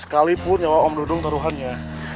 sekalipun nyawa om dudung taruhannya